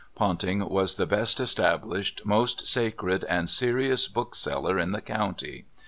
Ponting was the best established, most sacred and serious bookseller in the county.